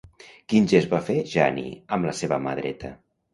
Quin gest va fer Jani amb la seva mà dreta?